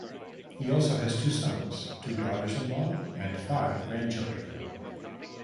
He also has two sons, two daughters-in-law, and five grandchildren.